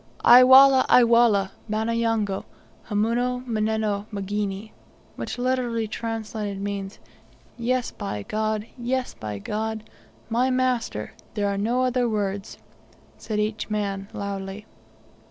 "Ay Wallah! Ay Wallah! Bana yango! Hamuna manneno mgini!" which literally translated means, "Yes by God! Yes by God! my master! There are no other words," said each man loudly.